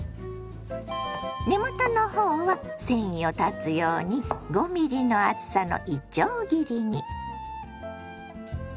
根元の方は繊維を断つように５ｍｍの厚さのいちょう切りに。